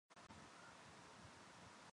八小时后出货